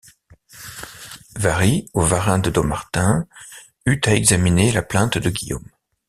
Warry ou Warin de Dommartin eut à examiner la plainte de Guillaume.